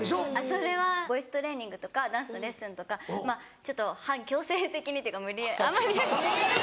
それはボイストレーニングとかダンスのレッスンとかまぁちょっと半強制的にっていうか無理あんまり。